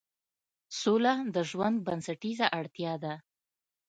سوله د ژوند بنسټیزه اړتیا ده